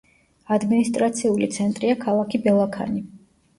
ადმინისტრაციული ცენტრია ქალაქი ბელაქანი.